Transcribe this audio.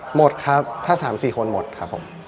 หมดครับถ้า๓๔คนหมดครับผม